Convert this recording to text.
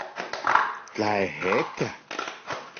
Tlaejeka.